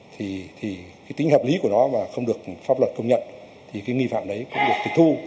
thì thì cái tính hợp lý của nó mà không được pháp luật công nhận thì cái nghi phạm đấy cũng được thịt thu